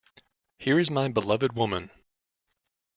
Here is my beloved woman!